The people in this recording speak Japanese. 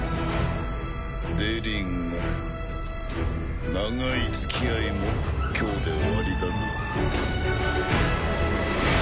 デリング長いつきあいも今日で終わりだな。